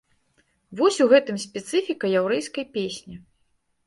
Вось у гэтым спецыфіка яўрэйскай песні.